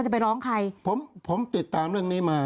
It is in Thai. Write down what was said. ผมติดตามเรื่องนี้มา